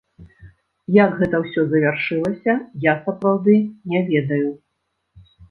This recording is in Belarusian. Як гэта ўсё завяршылася, я, сапраўды, не ведаю.